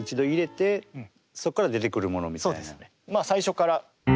まあ最初から。